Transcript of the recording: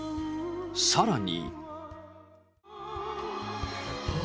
さらに。